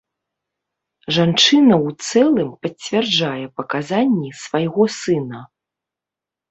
Жанчына ў цэлым пацвярджае паказанні свайго сына.